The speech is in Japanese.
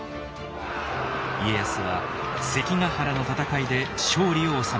家康は関ヶ原の戦いで勝利を収めます。